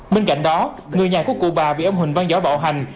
bên cạnh đó người nhà của cụ bà bị ông huỳnh văn giỏi bạo hành